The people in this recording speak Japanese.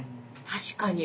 確かに。